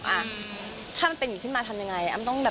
อ้าวถ้ามันเป็นอย่างนี้ขึ้นมาทำอย่างไร